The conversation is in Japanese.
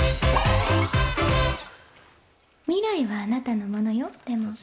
未来はあなたのものよ。